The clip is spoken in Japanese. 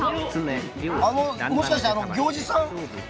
もしかして行司さん？